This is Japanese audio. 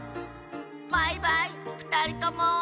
バイバイふたりとも。